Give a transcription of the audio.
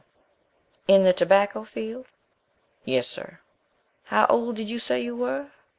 "In the tobacco field?" "Yes, sir." "How old did you say you were?"